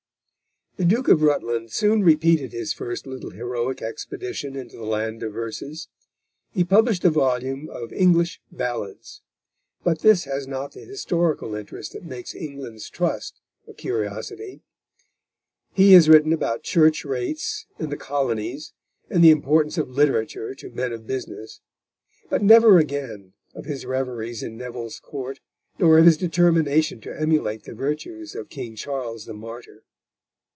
The Duke of Rutland soon repeated his first little heroic expedition into the land of verses. He published a volume of English Ballads; but this has not the historical interest which makes England's Trust a curiosity. He has written about Church Rates, and the Colonies, and the Importance of Literature to Men of Business, but never again of his reveries in Neville's Court nor of his determination to emulate the virtues of King Charles the Martyr.